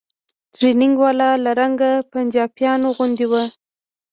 ټرېننگ والا له رنګه پنجابيانو غوندې و.